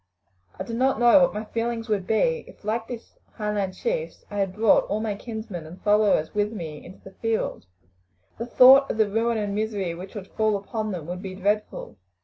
I do not know what my feelings would be, if, like these Highland chiefs, I had brought all my kinsmen and followers with me into the field. The thought of the ruin and misery which would fall upon them would be dreadful.